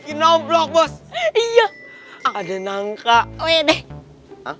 jangan lupa like share dan subscribe ya